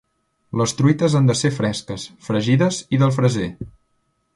Les truites han de ser fresques, fregides i del Freser.